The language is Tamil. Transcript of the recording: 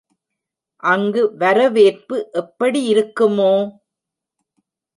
அங்கு வரவேற்பு எப்படியிருக்குமோ?